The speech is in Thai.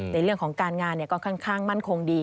ในเรื่องของการงานก็ค่อนข้างมั่นคงดี